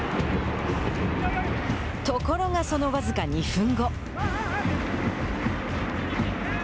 ところが、その僅か２分後。